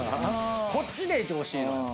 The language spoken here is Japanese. こっちでいてほしいのよ。